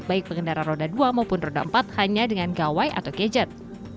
baik pengendara roda dua maupun roda empat hanya dengan gawai atau gadget